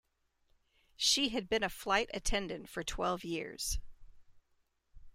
She had been a flight attendant for twelve years.